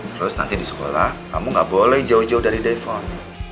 terus nanti di sekolah kamu gak boleh jauh jauh dari daefon